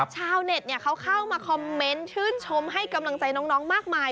ชาวเน็ตเขาเข้ามาคอมเมนต์ชื่นชมให้กำลังใจน้องมากมาย